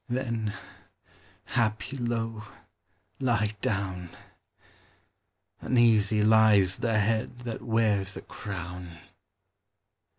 Then, happy low, lie down ; Uneasy lies the head that wears a crown.